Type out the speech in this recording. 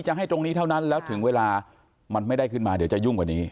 ให้ตรงนี้เท่านั้นแล้วถึงเวลามันไม่ได้ขึ้นมาเดี๋ยวจะยุ่งกว่านี้